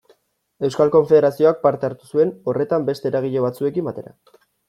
Euskal Konfederazioak parte hartu zuen horretan beste eragile batzuekin batera.